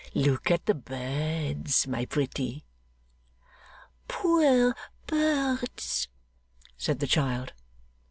Look at the birds, my pretty!' 'Poor birds!' said the child.